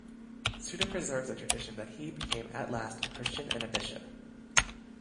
Suda preserves a tradition that He became at last a Christian and a bishop.